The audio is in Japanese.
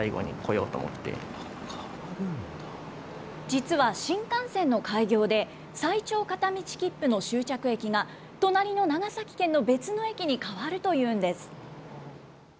実は新幹線の開業で、最長片道切符の終着駅が、隣の長崎県の別の駅に変わるというんです。